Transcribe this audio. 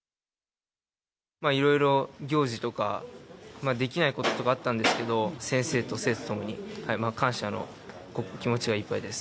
いろいろ行事とかできないこととかあったんですけど先生と生徒ともに感謝の気持ちがいっぱいです。